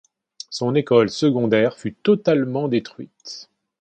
Son école secondaire fut totalement détruite.